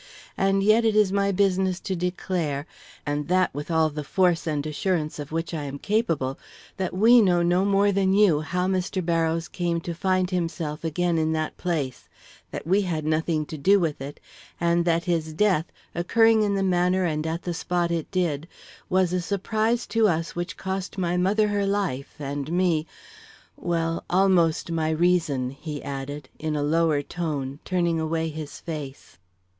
And yet it is my business to declare, and that with all the force and assurance of which I am capable, that we know no more than you, how Mr. Barrows came to find himself again in that place; that we had nothing to do with it, and that his death, occurring in the manner and at the spot it did, was a surprise to us which cost my mother her life, and me well, almost my reason," he added, in a lower tone, turning away his face.